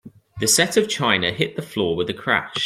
The set of china hit the floor with a crash.